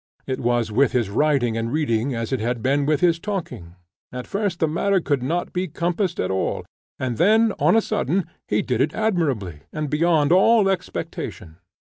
It was with his writing and reading as it had been with his talking; at first the matter could not be compassed at all, and then on a sudden he did it admirably, and beyond all expectation.